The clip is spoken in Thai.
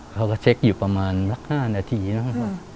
เขาก็จะเช็กอยู่ประมาณ๕นาทีหรือเปล่า